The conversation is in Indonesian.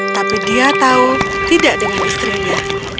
tapi dia tahu tidak demo istrinya